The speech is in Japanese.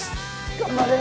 頑張れよ！